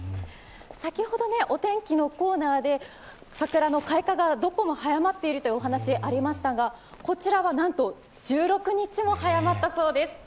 先ほどお天気のコーナーで桜の開花がどこも早まっているというお話ありましたがこちらはなんと１６日も早まったそうです。